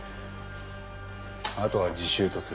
あとは自習とする。